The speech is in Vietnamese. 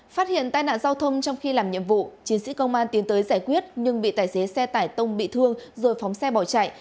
phát hiện tai nạn giao thông trong khi làm nhiệm vụ chiến sĩ công an tiến tới giải quyết nhưng bị tài xế xe tải tông bị thương rồi phóng xe bỏ chạy